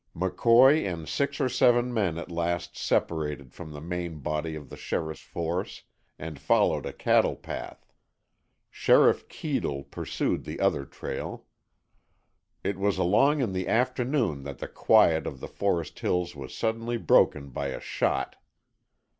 McCoy and six or seven men at last separated from the main body of the sheriff's force and followed a cattle path. Sheriff Keadle pursued the other trail. It was along in the afternoon that the quiet of the forest hills was suddenly broken by a shot.